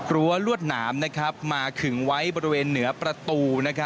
ลวดหนามมาขึงไว้บริเวณเหนือประตู